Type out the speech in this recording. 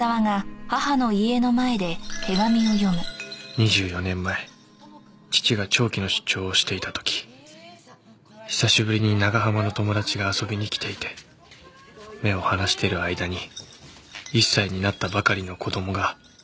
２４年前父が長期の出張をしていた時久しぶりに長浜の友達が遊びに来ていて目を離している間に１歳になったばかりの子供が。